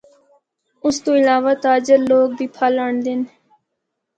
اس تو علاوہ تاجر لوگ بھی پھل آنڑدے ہن۔